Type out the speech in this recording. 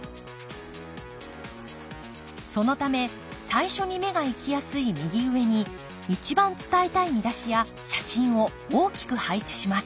そのため最初に目がいきやすい右上に一番伝えたい見出しや写真を大きく配置します。